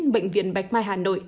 bệnh viện bạch mai hà nội